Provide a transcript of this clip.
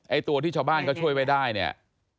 ตัวที่ชาวบ้านเขาช่วยไว้ได้เนี่ย